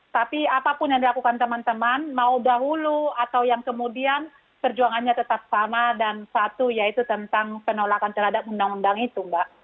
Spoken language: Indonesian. tapi apapun yang dilakukan teman teman mau dahulu atau yang kemudian perjuangannya tetap sama dan satu yaitu tentang penolakan terhadap undang undang itu mbak